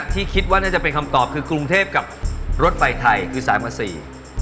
ที่คิดว่าน่าจะเป็นคำตอบคือกรุงเทพกับรถไฟไทยคือสายมาสี่